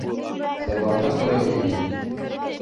Заманына күрә өйө